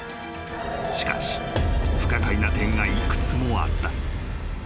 ［しかし不可解な点が幾つもあった］